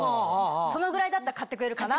そのぐらいだったら買ってくれるかなと。